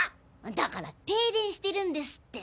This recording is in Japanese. だから停電してるんですって！